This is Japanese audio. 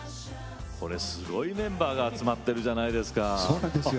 これすごいメンバーが集まってるじゃないですか。